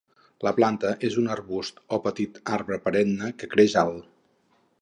La planta es un arbust o petit arbre perenne, que creix alt.